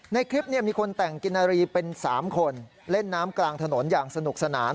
ในคลิปมีคนแต่งกินนารีเป็น๓คนเล่นน้ำกลางถนนอย่างสนุกสนาน